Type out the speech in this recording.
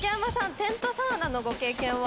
テントサウナのご経験は？